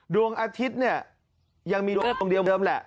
ดวงอาทิตย์เนี่ยยังมีดวงเดียวเดิมแหละ